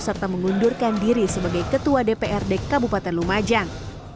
serta mengundurkan diri sebagai ketua dprd kabupaten lumajang